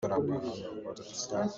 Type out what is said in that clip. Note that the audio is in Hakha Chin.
Mi hrokhrawl a si.